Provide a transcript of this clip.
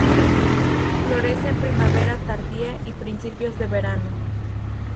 Florece en primavera tardía y principios de verano.